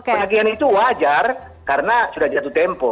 penagihan itu wajar karena sudah di satu tempo